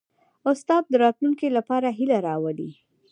استاد د راتلونکي لپاره هیله راولي.